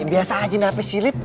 ya biasa aja gak apa apa sih liv